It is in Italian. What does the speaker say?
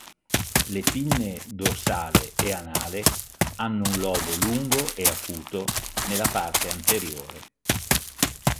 Le pinne dorsale e anale hanno un lobo lungo e acuto nella parte anteriore.